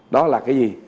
đó là cái gì